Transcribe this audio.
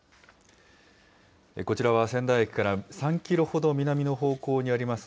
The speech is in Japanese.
こちらは仙台駅から３キロほど南の方向にあります